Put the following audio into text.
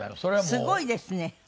すごいです。